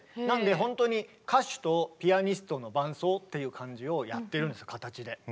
なのでほんとに歌手とピアニストの伴奏っていう感じをやってるんですよ形で。